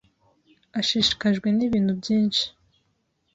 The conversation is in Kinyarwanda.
ashishikajwe nibintu byinshi.